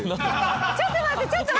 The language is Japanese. ちょっと待って！